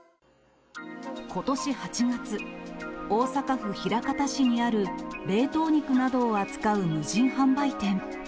ことし８月、大阪府枚方市にある冷凍肉などを扱う無人販売店。